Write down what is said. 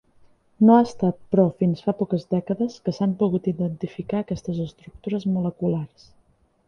No ha estat, però, fins fa poques dècades que s'han pogut identificar aquestes estructures moleculars.